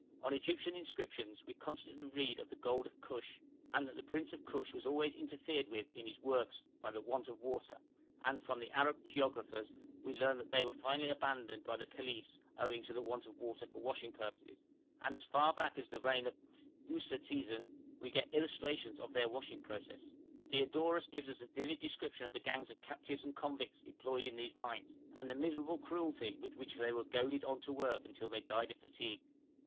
On Egyptian inscriptions we constantly read of the gold of Kush, and that the prince of Kush was always interfered with in his works by the want of water, and from the Arab geographers we learn that they were finally abandoned by the caliphs owing to the want of water for washing purposes, and as far back as the reign of Usertesen we get illustrations of their washing process. Diodorus gives us a vivid description of the gangs of captives and convicts employed in these mines, and the miserable cruelty with which they were goaded on to work until they died of fatigue.